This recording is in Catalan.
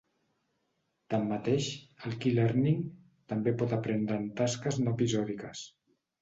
Tanmateix, el "Q-learning" també pot aprendre en tasques no episòdiques.